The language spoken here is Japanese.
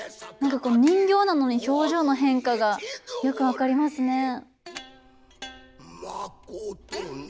何か人形なのに表情の変化がよく分かりますね。